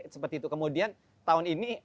seperti itu kemudian tahun ini